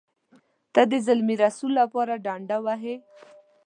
ته د زلمي رسول لپاره ډنډه وهې.